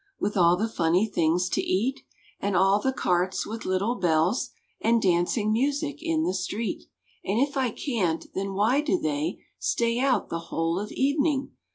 With all the funny things to eat, And all the carts with little bells, And dancing music in the street? And if I can't, then why do they Stay out, the whole of evening?